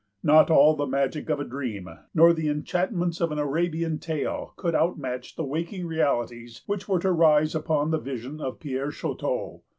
Not all the magic of a dream, nor the enchantments of an Arabian tale, could outmatch the waking realities which were to rise upon the vision of Pierre Chouteau.